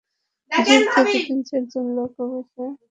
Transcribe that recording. Zip থেকে তিন-চারজন লোক নেমে গুদামের চারপাশ ভালো করে দেখে চলে যান।